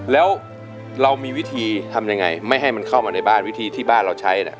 แล้วเรามีวิธีทำยังไงไม่ให้มันเข้ามาในบ้านวิธีที่บ้านเราใช้